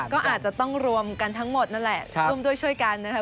ก็อาจจะต้องรวมกันทั้งหมดนั่นแหละร่วมด้วยช่วยกันนะครับ